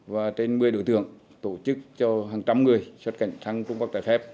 và trên một mươi đối tượng tổ chức cho hàng trăm người xuất cảnh sang trung quốc trái phép